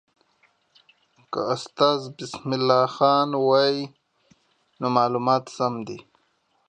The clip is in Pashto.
که استاد بسم الله خان وایي، نو معلومات سم دي.